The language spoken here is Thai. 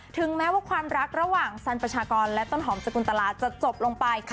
ถึงแม้ว่าความรักระหว่างสันประชากรและต้นหอมสกุลตลาจะจบลงไป